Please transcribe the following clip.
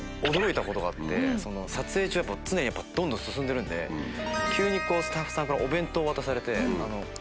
撮影中常にどんどん進んでるんで急にスタッフさんからお弁当渡されて。